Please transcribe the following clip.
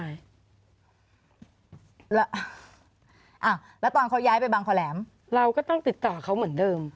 อ้าวแล้วตอนเขาย้ายไปบางคอแหลมเราก็ต้องติดต่อเขาเหมือนเดิม